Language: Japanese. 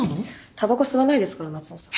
たばこ吸わないですから夏雄さん。